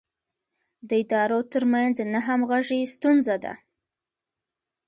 د ادارو ترمنځ نه همغږي ستونزه ده.